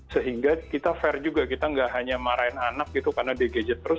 sehingga kita fair juga kita nggak hanya marahin anak gitu karena dia gadget terus